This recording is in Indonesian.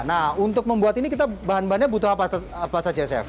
nah untuk membuat ini kita bahan bahannya butuh apa saja chef